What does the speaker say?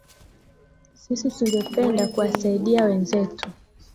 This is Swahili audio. sisi tungependa kuwasaidia wenzetu